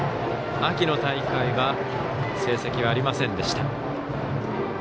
秋の大会は成績ありませんでした。